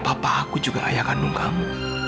papa aku juga ayah kandung kamu